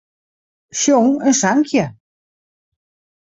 Sjong in sankje.